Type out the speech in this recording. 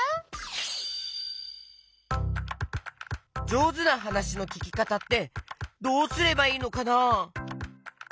じょうずなはなしのききかたってどうすればいいのかな？